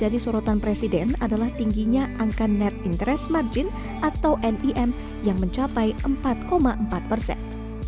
dan presiden adalah tingginya angka net interest margin atau nim yang mencapai empat empat persen